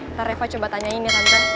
ntar reva coba tanyain ya tante